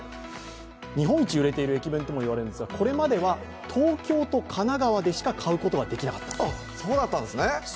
日本一売れている駅弁とも言われているんですがこれまでは東京と神奈川でしか買うことができなかった。